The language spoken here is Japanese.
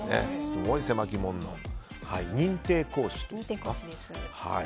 すごい狭き門の認定講師です。